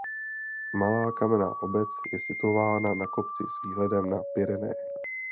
Malá kamenná obec je situována na kopci s výhledem na Pyreneje.